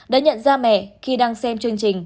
đã nhận ra mẹ khi đang xem chương trình